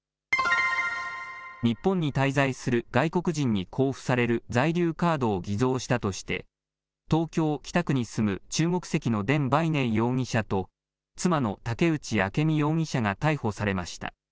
日本に滞在する外国人に交付される在留カードを偽造したとして東京・北区に住む中国籍の田倍寧容疑者と妻の竹内朱実容疑者が逮捕されました。